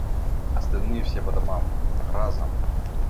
Остальные все по домам… Разом!